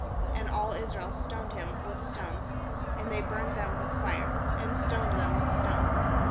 And all Israel stoned him with stones; and they burned them with fire, and stoned them with stones.